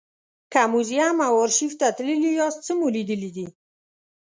که موزیم او ارشیف ته تللي یاست څه مو لیدلي دي.